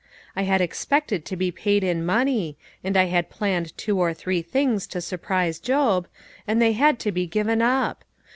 I had expected to be paid in money, and I had planned two or three things to surprise Job, and they had to be given up.